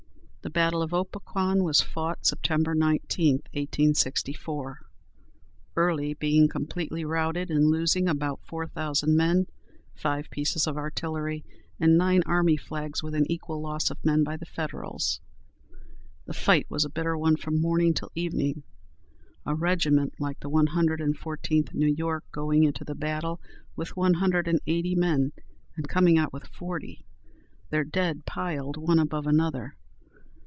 The battle of Opequan was fought Sept. 19, 1864, Early being completely routed and losing about four thousand men, five pieces of artillery, and nine army flags, with an equal loss of men by the Federals. The fight was a bitter one from morning till evening, a regiment like the One Hundred and Fourteenth New York going into the battle with one hundred and eighty men, and coming out with forty, their dead piled one above another!